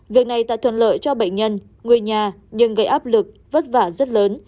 việc này tạo thuận lợi cho bệnh nhân người nhà nhưng gây áp lực vất vả rất lớn